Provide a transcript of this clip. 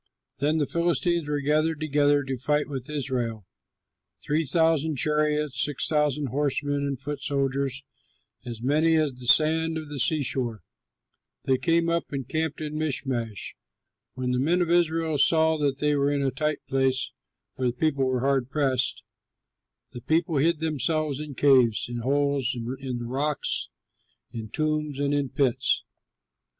Then the Philistines were gathered together to fight with Israel: three thousand chariots, six thousand horsemen, and foot soldiers as many as the sand of the seashore. They came up and camped in Michmash. When the men of Israel saw that they were in a tight place (for the people were hard pressed), the people hid themselves in caves, in holes, in the rocks, in tombs, and in pits.